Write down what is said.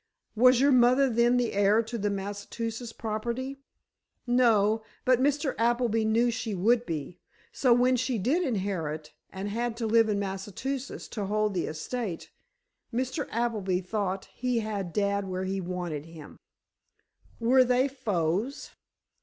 "Was your mother then the heir to the Massachusetts property?" "No; but Mr. Appleby knew she would be. So, when she did inherit, and had to live in Massachusetts to hold the estate, Mr. Appleby thought he had dad where he wanted him." "Were they foes?"